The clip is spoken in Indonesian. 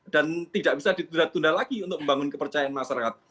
dan tidak bisa ditunda tunda lagi untuk membangun kepercayaan masyarakat